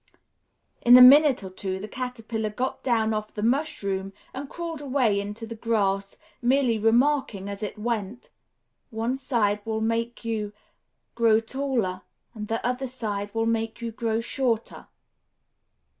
In a minute or two, the Caterpillar got down off the mushroom and crawled away into the grass, merely remarking, as it went, "One side will make you grow taller, and the other side will make you grow shorter."